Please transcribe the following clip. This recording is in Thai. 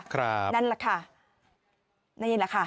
นั่นแหละค่ะน่าเย็นหรือค่ะ